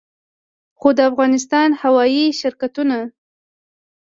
خو د افغانستان هوايي شرکتونه